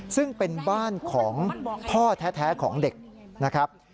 ซึ่งเป็นบ้านของพ่อแท้ของเด็กนะครับ